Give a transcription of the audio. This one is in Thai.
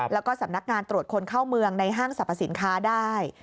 แล้วก็สำนักงานตรวจคนเข้าเมืองในห้างสรรพสินค้าได้